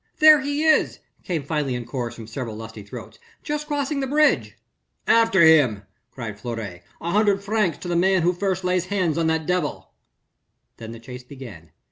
"There he is!" came finally in chorus from several lusty throats. "Just crossing the bridge." "After him," cried Fleury, "an hundred francs to the man who first lays hands on that devil." Then the chase began.